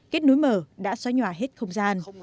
kết nối mở đã xóa nhòa hết không gian